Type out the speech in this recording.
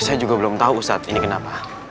saya juga belum tahu ustadz ini kenapa